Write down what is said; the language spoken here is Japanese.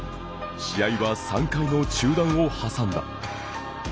試合は３回の中断を挟んだ。